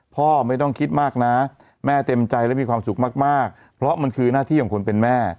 พ่อไม่ต้องคิดมากนะแม่เต็มใจและมีความสุขมากเพราะมันคือหน้าที่ของคนเป็นแม่